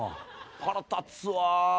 腹立つわ。